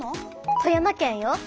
富山県よ。